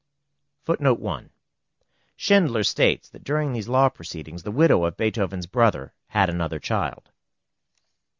[Footnote 1: Schindler states that during these law proceedings the widow of Beethoven's brother had another child.